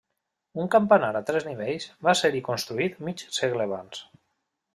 Un campanar a tres nivells va ser-hi construït mig segle abans.